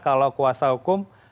kalau kuasa hukum